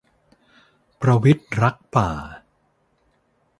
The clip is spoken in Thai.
ประวิตรรักป่า